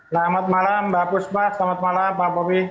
selamat malam mbak fuspa selamat malam pak bobby